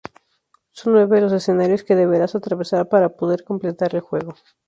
Son nueve los escenarios que deberás atravesar para poder completar el juego.